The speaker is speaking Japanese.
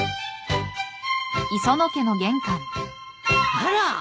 あら？